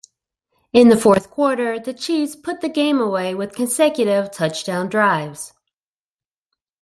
In the fourth quarter, the Chiefs put the game away with consecutive touchdown drives.